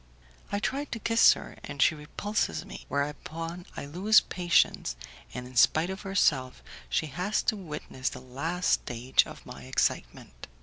I try to kiss her, and she repulses me, whereupon I lose patience, and in spite of herself she has to witness the last stage of my excitement.